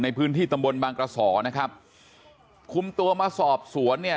ในพื้นที่ตำบลบางกระสอนะครับคุมตัวมาสอบสวนเนี่ย